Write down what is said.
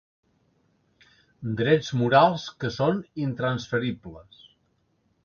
Drets morals, que són intransferibles.